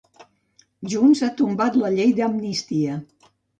Junts ha tombat la llei d'Amnistia.